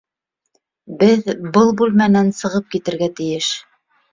Беҙ был бүлмәнән сығып китергә тейеш.